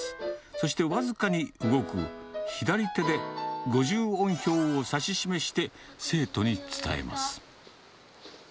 そして僅かに動く左手で五十音表を指し示して生徒に伝えます。